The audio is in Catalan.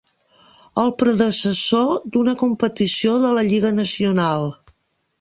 El predecessor d'una competició de la lliga nacional.